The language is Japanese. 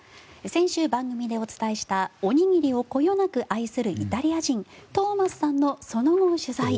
先日、番組でお伝えしたおにぎりをこよなく愛するイタリア人トーマスさんのその後を取材。